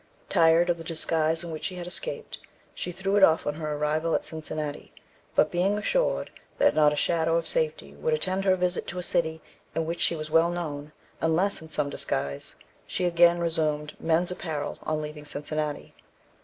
Tired of the disguise in which she had escaped, she threw it off on her arrival at Cincinnati. But being assured that not a shadow of safety would attend her visit to a city in which she was well known, unless in some disguise, she again resumed men's apparel on leaving Cincinnati.